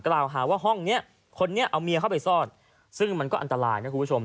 กล่าวหาว่าห้องนี้คนนี้เอาเมียเข้าไปซ่อนซึ่งมันก็อันตรายนะคุณผู้ชม